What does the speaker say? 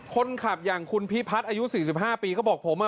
คนขับอย่างคุณพิพัฒน์อายุ๔๕ปีเขาบอกผมอ่ะ